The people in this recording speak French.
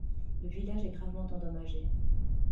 Le village est gravement endommagé.